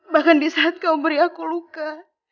bahkan di saat kau beri aku luka